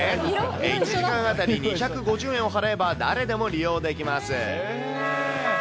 １時間当たり２５０円を払えば誰でも利用できます。